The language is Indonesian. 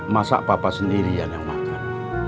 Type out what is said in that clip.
masa papa sendirian yang makan